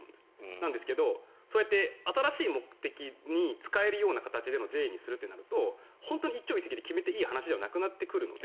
なんですけどそうやって新しい目的で使える税にするとなると本当に一朝一夕で決めていい話ではなくなってくるので。